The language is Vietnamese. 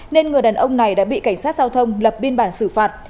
nên người đàn ông này đã bị cảnh sát giao thông lập biên bản xử phạt